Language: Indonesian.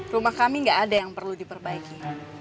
rumah kami nggak ada yang perlu diperbaiki